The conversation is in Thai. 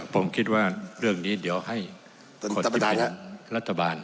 ผมคิดว่าเรื่องนี้เดี๋ยวให้คนที่เป็นรัฐบาล